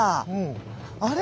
あれ？